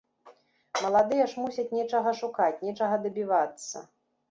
Маладыя ж мусяць нечага шукаць, нечага дабівацца.